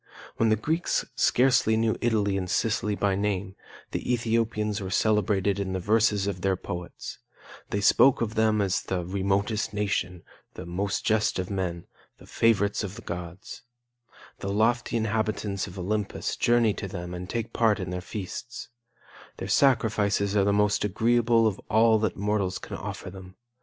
When the Greeks scarcely knew Italy and Sicily by name, the Ethiopians were celebrated in the verses of their poets; they spoke of them as the 'remotest nation,' the 'most just of men,' the 'favorites of the gods,' The lofty inhabitants of Olympus journey to them and take part in their feasts; their sacrifices are the most agreeable of all that mortals can offer them.